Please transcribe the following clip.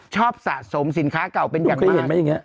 ชอบสะสมสินค้าเก่าเป็นอย่างมากอย่างนี้เห็นไหม